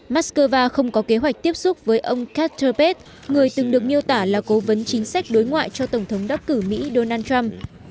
mắc cơ va không có kế hoạch tiếp xúc với ông katerpet người từng được miêu tả là cố vấn chính sách đối ngoại cho tổng thống đắc cử mỹ donald trump